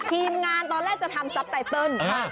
ทีมงานตอนแรกจะทำซับไตเติล